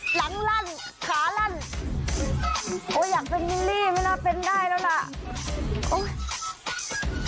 ลั่นขาลั่นโอ้อยากเป็นวิลลี่ไม่น่าเป็นได้แล้วล่ะโอ้ย